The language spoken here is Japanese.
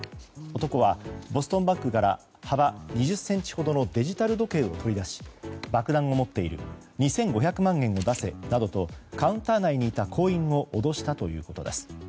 男はボストンバッグから幅２０ｃｍほどのデジタル時計を取り出し爆弾を持っている２５００万円を出せなどとカウンター内にいた行員を脅したということです。